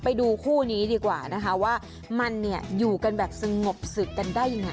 ไปดูคู่นี้ดีกว่านะคะว่ามันเนี่ยอยู่กันแบบสงบศึกกันได้ยังไง